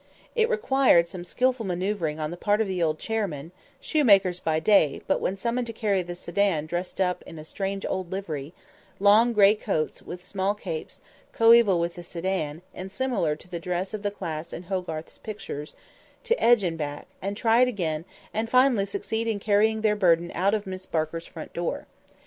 It required some skilful manoeuvring on the part of the old chairmen (shoemakers by day, but when summoned to carry the sedan dressed up in a strange old livery—long great coats, with small capes, coeval with the sedan, and similar to the dress of the class in Hogarth's pictures) to edge, and back, and try at it again, and finally to succeed in carrying their burden out of Miss Barker's front door.